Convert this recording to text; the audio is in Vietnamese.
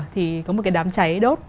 thì có một cái đám cháy đốt